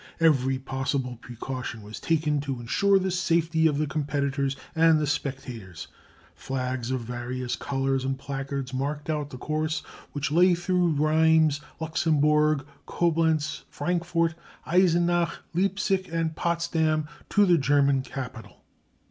Every possible precaution was taken to insure the safety of the competitors and the spectators. Flags of various colours and placards marked out the course, which lay through Rheims, Luxembourg, Coblentz, Frankfurt, Eisenach, Leipsic, and Potsdam to the German capital.